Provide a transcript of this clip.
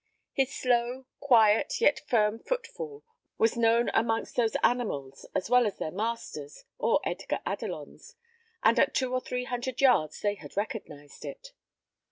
His slow, quiet, yet firm footfall was known amongst those animals as well as their master's or Edgar Adelon's, and at two or three hundred yards they had recognised it.